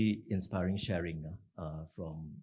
dan saya sangat senang untuk kembali